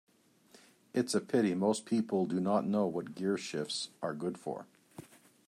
It's a pity most people do not know what gearshifts are good for.